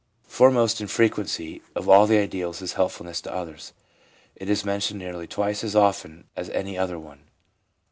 Foremost in frequency of all the ideals is helpful ness to others; it is mentioned nearly twice as often as any other one.